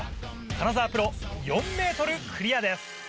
金澤プロ４ｍクリアです。